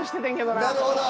なるほど。